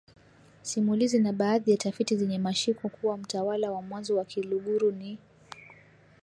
simulizi na baadhi ya tafiti zenye mashiko kuwa Mtawala wa mwanzo wa Kiluguru ni